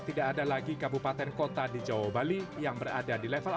tidak ada lagi kabupaten kota di jawa bali yang berada di level empat